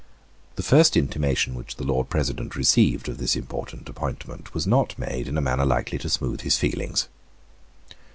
The first intimation which the Lord President received of this important appointment was not made in a manner likely to soothe his feelings.